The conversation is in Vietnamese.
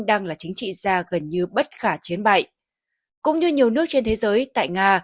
đang là chính trị gia gần như bất khả chiến bại cũng như nhiều nước trên thế giới tại nga